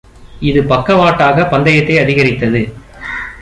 இது பக்கவாட்டாக பந்தயத்தை அதிகரித்தது